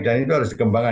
dan itu harus dikembangkan